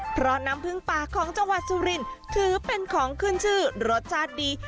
เพราะน้ำผึ้งปลาของจังหวัดสุรินถือเป็นของขึ้นชื่อรสชาติดี